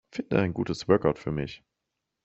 Finde ein gutes Workout für mich.